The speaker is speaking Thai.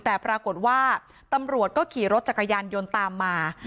แต่ปรากฏว่าตำรวจก็ขี่รถจักรยานยนต์ตามมา